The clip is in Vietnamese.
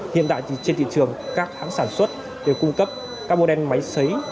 hiện tại trên thị trường các hãng sản xuất đều cung cấp các bộ đen máy xấy